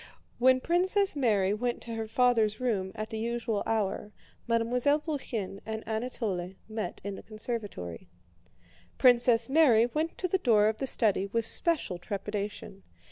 When Princess Mary went to her father's room at the usual hour, Mademoiselle Bourienne and Anatole met in the conservatory. Princess Mary went to the door of the study with special trepidation.